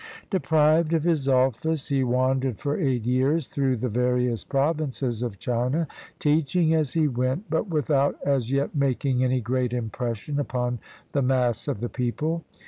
Deprived of his office, he wandered for eight years through the various provinces of China, teaching as he went, but without as yet making any great impression upon the mass of the people.